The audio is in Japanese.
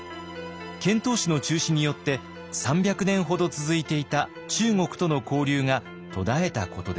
遣唐使の中止によって３００年ほど続いていた中国との交流が途絶えたことでした。